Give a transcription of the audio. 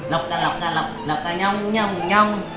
lọc cà lọc cà lọc lọc cà nhong nhong nhong